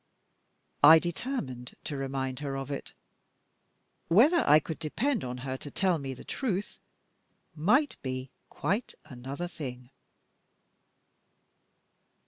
I determined to remind her of it. Whether I could depend on her to tell me the truth, might be quite another thing.